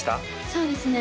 そうですね